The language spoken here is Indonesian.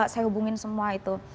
saya hubungin semua itu